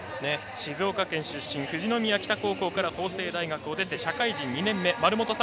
静岡県出身富士宮北高校から法政大学を出て、社会人２年目竹川倖